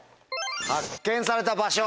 「発見された場所」。